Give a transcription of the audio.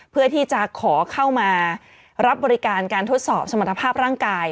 เพื่อที่จะขอเข้ามารับบริการการทดสอบสมรรถภาพร่างกาย